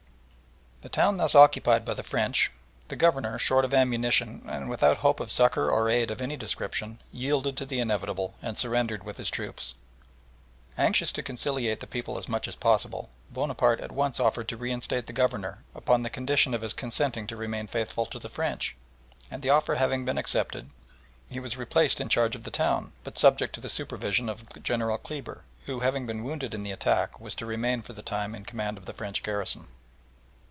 The town thus occupied by the French, the Governor, short of ammunition, and without hope of succour or aid of any description, yielded to the inevitable and surrendered with his troops. Anxious to conciliate the people as much as possible, Bonaparte at once offered to reinstate the Governor upon the condition of his consenting to remain faithful to the French, and the offer having been accepted he was replaced in charge of the town, but subject to the supervision of General Kleber, who having been wounded in the attack was to remain for the time in command of the French garrison.